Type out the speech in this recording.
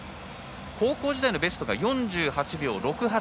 高校時代のベストが４８秒６８。